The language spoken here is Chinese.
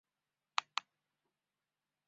帮忙用英文叫大家进去